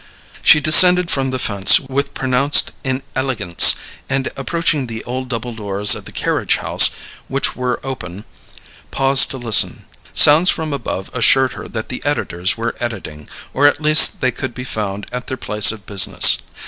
She descended from the fence with pronounced inelegance, and, approaching the old double doors of the "carriage house," which were open, paused to listen. Sounds from above assured her that the editors were editing or at least that they could be found at their place of business.